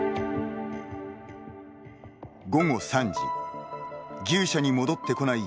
午後３時、牛舎に戻ってこない